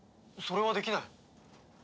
それはできない。